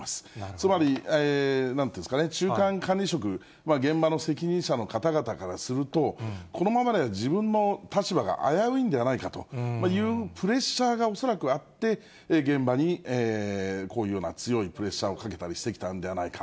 つまり、なんていうんですかね、中間管理職、現場の責任者の方々からすると、このままでは自分の立場が危ういんではないかという、プレッシャーが恐らくあって、現場にこういうような強いプレッシャーをかけたりしてきたんではないか。